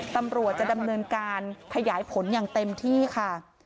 ตำรวจจะดำเนินการขยายผลอย่างเต็มที่ค่ะ